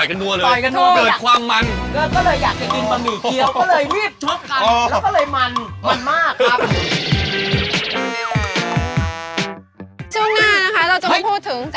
เอ๊ะผู้หญิงคนนั้นคนไหนน่ารัก